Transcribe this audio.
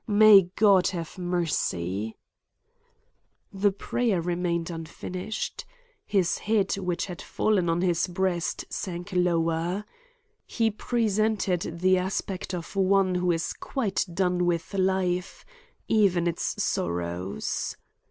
May God have mercy—" The prayer remained unfinished. His head which had fallen on his breast sank lower. He presented the aspect of one who is quite done with life, even its sorrows.